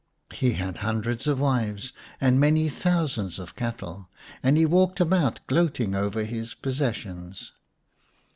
He had hundreds of wives and many thousands of cattle, and he walked about, gloating over his possessions.